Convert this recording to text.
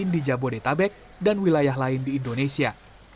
di jabodetabek dan wilayah lain di indonesia